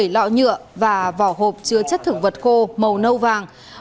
bảy lọ nhựa và vỏ hộp chứa chất thực vật khô màu nâu vàng